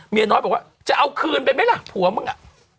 เมียน้อยบอกว่าจะเอาคืนไปไหมล่ะผัวมึงอ่ะ